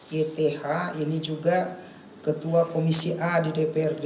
yth ini juga ketua komisi a di dprd